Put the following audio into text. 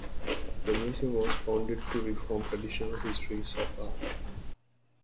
The museum was founded to reform traditional histories of art.